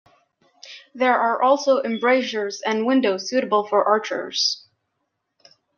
There are also embrasures and windows suitable for archers.